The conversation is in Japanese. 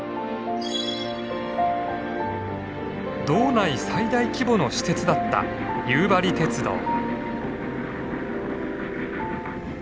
道内最大規模の私鉄だった夕張鉄道。